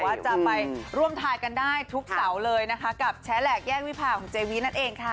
ว่าจะไปร่วมทายกันได้ทุกเสาเลยนะคะกับแชร์แหลกแยกวิพาของเจวินั่นเองค่ะ